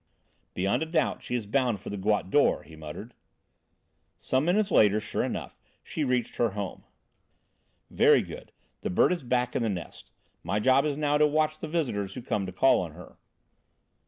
"Beyond a doubt she is bound for the Goutte d'Or," he muttered. Some minutes later, sure enough, she reached her home. "Very good! The bird is back in the nest: My job is now to watch the visitors who come to call on her."